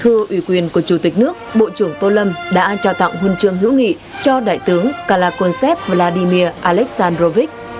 thưa ủy quyền của chủ tịch nước bộ trưởng tô lâm đã trao tặng huân chương hữu nghị cho đại tướng kalakonsep vladimir aleksandrovich